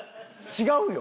違うよ。